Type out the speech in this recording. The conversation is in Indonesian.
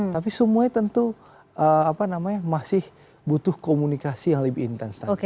tapi semuanya tentu apa namanya masih butuh komunikasi yang lebih intens